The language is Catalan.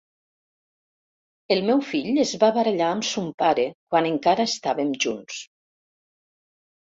El meu fill es va barallar amb son pare quan encara estàvem junts.